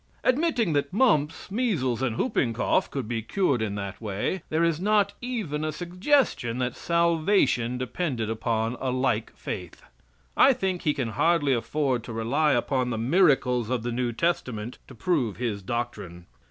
Admitting that mumps, measles, and whooping cough could be cured in that way, there is not even a suggestion that salvation depended upon a like faith. I think he can hardly afford to rely upon the miracles of the New Testament to prove his doctrine.